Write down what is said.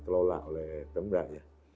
kelola oleh tembak